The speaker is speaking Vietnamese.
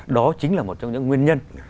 đó chính là một trong những nguyên nhân